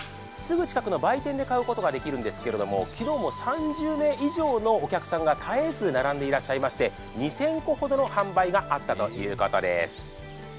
すぐ近くの売店で買うことができるんですけれども、昨日も３０名以上のお客さんが絶えず並んでいらっしゃいまして２０００個ほどの販売があったということです。